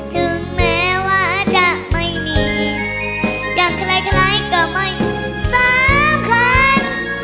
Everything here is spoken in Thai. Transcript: ถึงแม้ว่าจะไม่มีอย่างใครก็ไม่สำคัญ